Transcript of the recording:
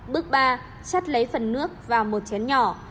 bước ba chát lấy phần nước vào một chén nhỏ